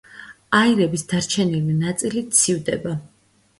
აირების დარჩენილი ნაწილი ცივდება.